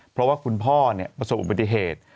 เพราะว่าคุณพ่อประสบอุบัติเหตุ